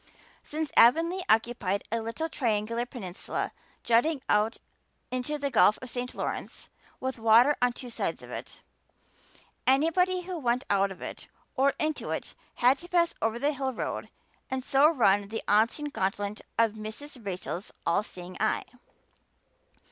Since Avonlea occupied a little triangular peninsula jutting out into the Gulf of St. Lawrence with water on two sides of it, anybody who went out of it or into it had to pass over that hill road and so run the unseen gauntlet of Mrs. Rachel's all seeing eye.